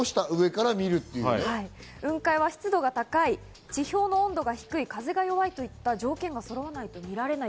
雲海は湿度が高い、地表の温度が低い、風が弱いといった条件が揃わないと見られない。